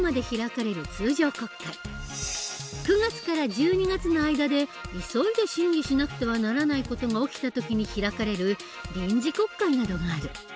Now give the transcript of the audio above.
９月から１２月の間で急いで審議しなくてはならない事が起きた時に開かれる臨時国会などがある。